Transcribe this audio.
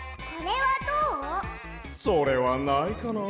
それはないかな。